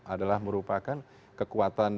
adalah merupakan kekuatan